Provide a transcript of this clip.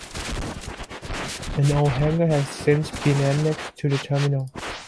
An old hangar has since been annexed to the terminal.